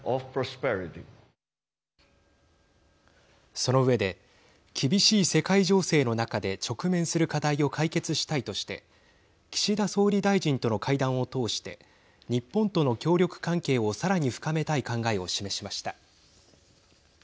その上で厳しい世界情勢の中で直面する課題を解決したいとして岸田総理大臣との会談を通して日本との協力関係をさらに深めたい考えを示しました。